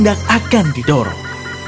tindak akan didorong